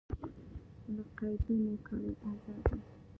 له قیدونو کړئ ازادي